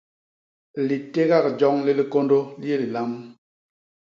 Litégak joñ li likôndô li yé lilam.